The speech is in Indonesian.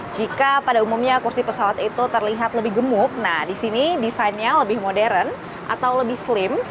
jika pada umumnya kursi pesawat itu terlihat lebih gemuk nah disini desainnya lebih modern atau lebih slim